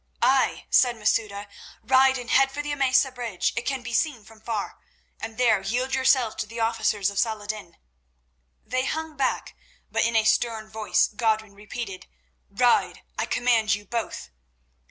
"Aye," said Masouda, "ride and head for the Emesa bridge—it can be seen from far—and there yield yourselves to the officers of Salah ed din." They hung back, but in a stern voice Godwin repeated: "Ride, I command you both."